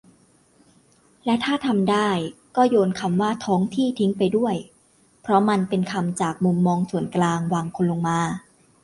และถ้าทำได้ ก็โยนคำว่า "ท้องที่" ทิ้งไปด้วย เพราะมันเป็นคำจากมุมมองส่วนกลางวางคนลงมา